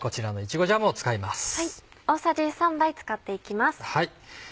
大さじ３杯使って行きます。